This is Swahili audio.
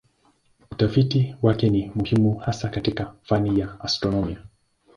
Utafiti wake ni muhimu hasa katika fani ya astronomia.